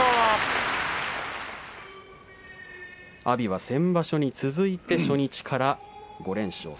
阿炎は先場所に続いて初日から５連勝。